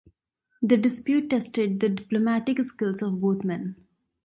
The dispute tested the diplomatic skills of both men.